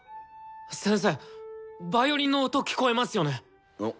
先生ヴァイオリンの音聴こえますよね！？